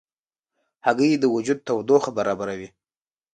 هګۍ د وجود تودوخه برابروي.